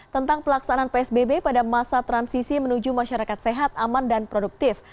tentang pelaksanaan psbb pada masa transisi menuju masyarakat sehat aman dan produktif